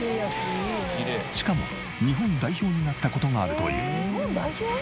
しかも日本代表になった事があるという。